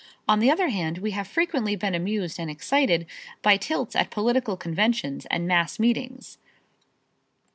On the other hand, we have frequently been amused and excited by tilts at political conventions and mass meetings.